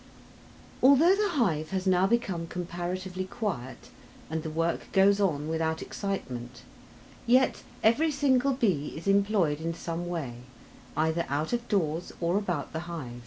Although the hive has now become comparatively quiet and the work goes on without excitement, yet every single bee is employed in some way, either out of doors or about the hive.